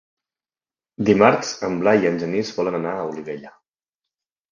Dimarts en Blai i en Genís volen anar a Olivella.